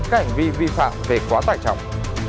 các hành vi vi phạm về quá tài trọng